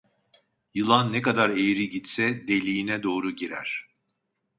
Yılan ne kadar eğri gitse deliğine doğru girer.